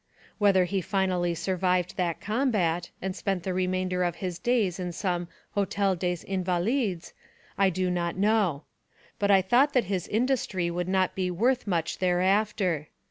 Whether he finally survived that combat, and spent the remainder of his days in some Hotel des Invalides, I do not know; but I thought that his industry would not be worth much thereafter.